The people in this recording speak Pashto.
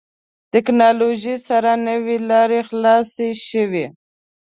ټکنالوژي سره نوې لارې خلاصې شوې.